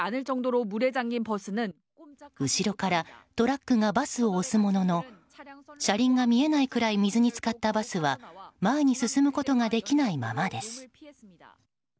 後ろからトラックがバスを押すものの車輪が見えないくらい水に浸かったバスは前に進むことができないままです。